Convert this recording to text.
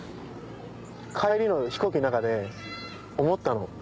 帰りの飛行機の中で思ったの。